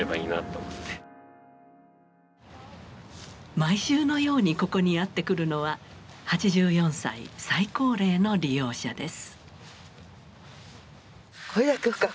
毎週のようにここにやってくるのは８４歳最高齢の利用者です。